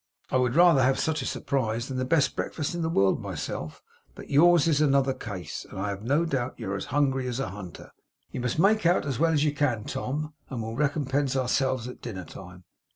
I would rather have such a surprise than the best breakfast in the world, myself; but yours is another case, and I have no doubt you are as hungry as a hunter. You must make out as well as you can, Tom, and we'll recompense ourselves at dinner time.